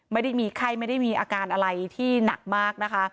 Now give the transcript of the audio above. ไม่ได้มีไข้ไม่ได้มีอาการอะไรที่หนักมากนะคะ